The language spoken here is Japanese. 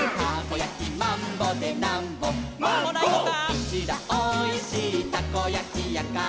「うちらおいしいたこやきやから」